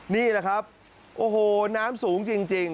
นี่แหละครับโอ้โหน้ำสูงจริง